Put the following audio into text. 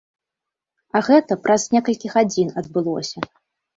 А гэта праз некалькі гадзін адбылося.